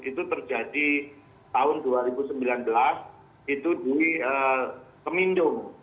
itu terjadi tahun dua ribu sembilan belas itu di kemindo